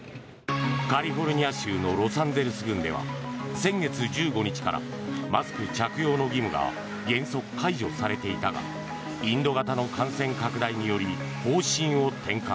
カリフォルニア州のロサンゼルス郡では先月１５日からマスク着用の義務が原則解除されていたがインド型の感染拡大により方針を転換。